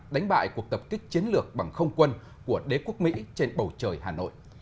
đánh bại cuộc tập kích chiến lược bằng không quân của đế quốc mỹ trên bầu trời hà nội